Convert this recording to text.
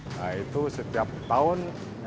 nah itu setiap tahun